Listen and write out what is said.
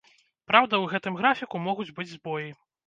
Праўда, у гэтым графіку могуць быць збоі.